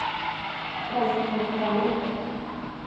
ไปรษณีย์โทรเลข